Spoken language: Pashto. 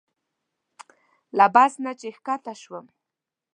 له بس نه چې ښکته شوم.